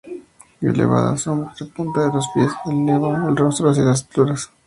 Elevada sobre la punta de los pies, eleva el rostro hacia las alturas.